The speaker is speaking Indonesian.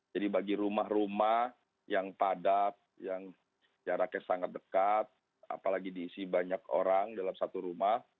jadi bagi rumah rumah yang padat yang jaraknya sangat dekat apalagi diisi banyak orang dalam satu rumah